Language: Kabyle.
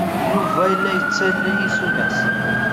Yuba la yettaley isunan.